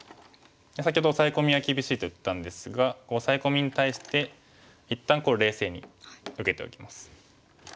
先ほどオサエ込みは厳しいと言ったんですがオサエ込みに対して一旦冷静に受けておきます。